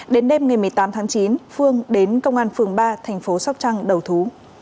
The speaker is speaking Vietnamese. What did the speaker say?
đến đêm ngày một mươi tám tháng chín phương đến công an phường ba thành phố sóc trăng đầu thú